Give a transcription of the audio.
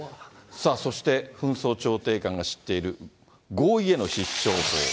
そして紛争調停官が知っている合意への必勝法。